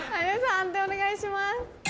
判定お願いします。